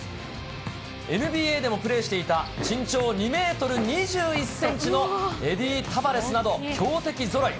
ＮＢＡでもプレーしていた身長２メートル２１センチのエディ・タバレスなど強敵ぞろい。